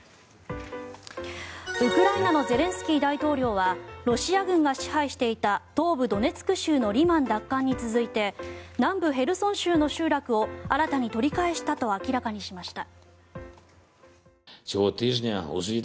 ウクライナのゼレンスキー大統領はロシア軍が支配していた東部ドネツク州のリマン奪還に続いて南部ヘルソン州の集落を新たに取り返したと明らかにしました。